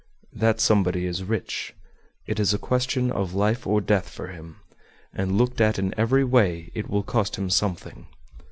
That somebody is rich. It is a question of life or death for him, and looked at in every way it will cost him something."